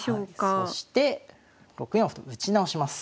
そして６四歩と打ち直します。